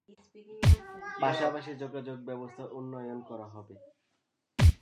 পাশাপাশি যোগাযোগ ব্যবস্থার উন্নয়ন করা হবে।